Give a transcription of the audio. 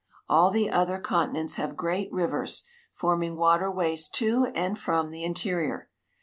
All the other con tinents have great rivers, forming waterways to and from the interior.